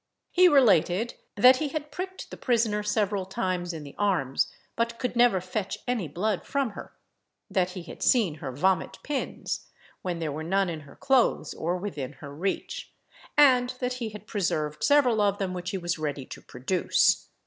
He related, that he had pricked the prisoner several times in the arms, but could never fetch any blood from her; that he had seen her vomit pins, when there were none in her clothes or within her reach; and that he had preserved several of them, which he was ready to produce.